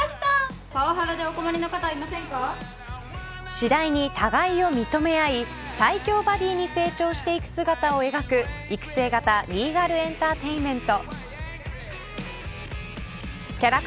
次第に互いを認め合い最強バディーに成長していく姿を描く育成型リーガルエンターテインメント。